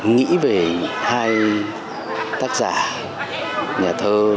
nghĩ về hai tác giả nhà thơ